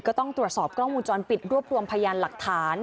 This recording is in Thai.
ก็ต้องตรวจสอบกล้องวงจรปิดรวบรวมพยานหลักฐาน